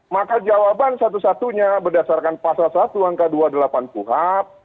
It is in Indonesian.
maka jawaban satu satunya berdasarkan pasal satu angka dua puluh delapan puhab